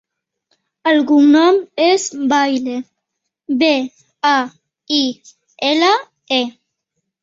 El cognom és Baile: be, a, i, ela, e.